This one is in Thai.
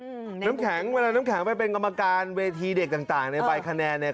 น้ำแข็งเวลาน้ำแข็งไปเป็นกรรมการเวทีเด็กต่างต่างในใบคะแนนเนี่ย